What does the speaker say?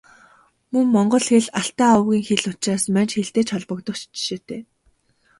Мөн Монгол хэл Алтай овгийн хэл учраас Манж хэлтэй ч холбогдох жишээтэй.